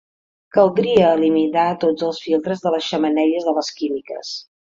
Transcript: Caldria eliminar tots els filtres de les xemeneies de les químiques.